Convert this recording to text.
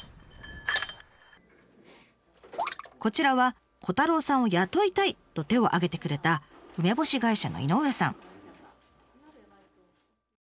こちらは虎太郎さんを雇いたいと手を挙げてくれた梅干し会社の井上さん。